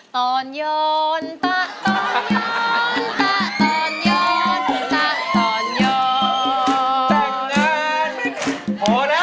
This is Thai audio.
ตอนโยนตะตอนโยนตะตอนโยนตะตอนโยน